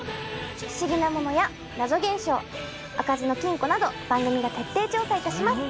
不思議なものや謎現象開かずの金庫など番組が徹底調査いたします。